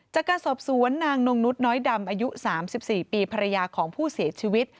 จากการสอบสวนนางนงนุษย์น้อยดำอายุ๓๔ปีภรรยาของผู้เสียชีวิต